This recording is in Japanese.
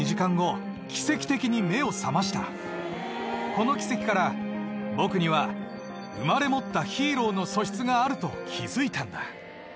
この奇跡から僕には生まれ持ったヒーローの素質があると気付いたんだ。